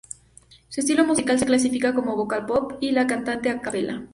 Su estilo musical se califica como vocal-pop y las cantan a cappella.